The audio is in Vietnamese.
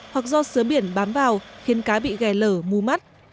hoặc do sứa biển bám vào khiến cá bị gẻ lở mù mắt